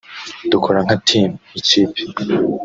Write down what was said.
dukora nka team (ikipe)